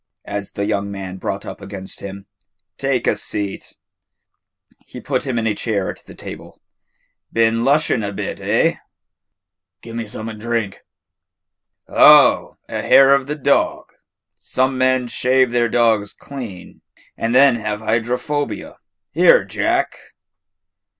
as the young man brought up against him; "take a seat." He put him in a chair at the table. "Been lushin' a bit, eh?" "Gi' me some'n' drink." "Oh, a hair of the dog. Some men shave their dogs clean, and then have hydrophobia. Here, Jack!"